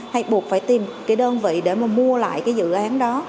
hay buộc phải tìm cái đơn vị để mà mua lại cái dự án đó